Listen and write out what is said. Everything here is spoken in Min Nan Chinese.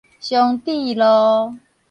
松智路